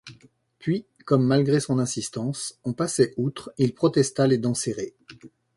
Puis, comme, malgré son insistance, on passait outre, il protesta, les dents serrées.